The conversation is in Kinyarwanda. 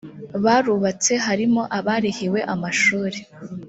barubatse harimo abarihiwe amashuri